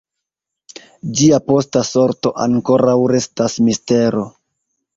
Ĝia posta sorto ankoraŭ restas mistero.